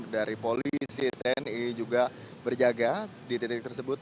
dari polisi tni juga berjaga di titik tersebut